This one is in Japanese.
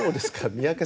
三宅さん